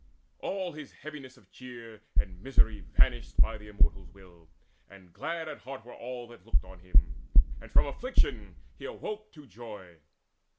All his heaviness of cheer And misery vanished by the Immortals' will; And glad at heart were all that looked on him; And from affliction he awoke to joy.